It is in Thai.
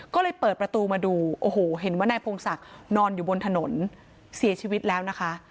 ก็เลยเปิดประตูมาดูโอ้โหเห็นว่านายพงศักดิ์นอนอยู่บนถนนเสียชีวิตแล้วนะคะ